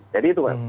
jadi itu kan